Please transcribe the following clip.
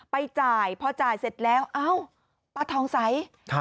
ไปจ่ายพอจ่ายเสร็จแล้วป้าทองสัย